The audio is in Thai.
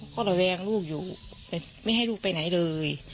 ก็ระแวงลูกอยู่ไม่ให้ลูกไปไหนเลย